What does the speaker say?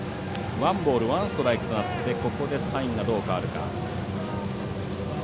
ワンボールワンストライクになってここでサインがどう変わるか。